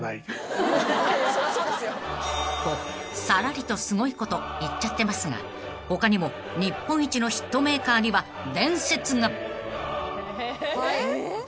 ［とさらりとすごいこと言っちゃってますが他にも日本一のヒットメーカーには伝説が］えっ？